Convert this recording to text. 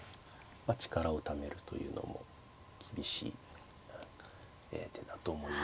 力をためるというのも厳しい手だと思いますが。